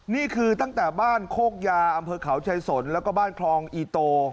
นี่คือตั้งแต่บ้านโคกยาอำเภอเขาชายสนแล้วก็บ้านคลองอีโต